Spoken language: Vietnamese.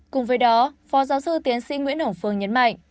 cùng với đó phó giáo sư tiến sĩ nguyễn hồng phương nhấn mạnh